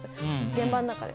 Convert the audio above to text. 現場の中で。